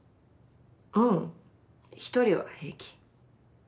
ううん一人は平気。